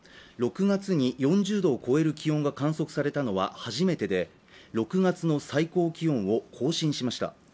６月に４０度を超える気温が観測されたのは初めてで６月の最高気温を更新しました。